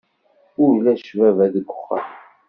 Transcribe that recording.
Ulac baba deg uxxam.